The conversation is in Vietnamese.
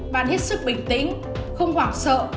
bạn hết sức bình tĩnh không hoảng sợ